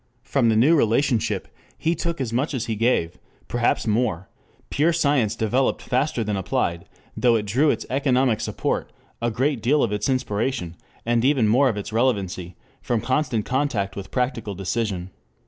From the new relationship he took as much as he gave, perhaps more: pure science developed faster than applied, though it drew its economic support, a great deal of its inspiration, and even more of its relevancy, from constant contact with practical decision.